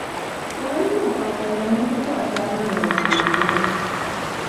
Tufube nnyo okwagaza n'okukwasa abaana baffe engero.